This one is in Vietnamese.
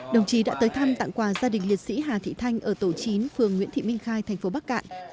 đồng chí đã tới thăm tặng quà gia đình liệt sĩ hà thị thanh ở tổ chín phường nguyễn thị minh khai thành phố bắc cạn